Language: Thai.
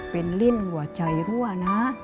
เป็นลิ้นหัวใจรั่วนะ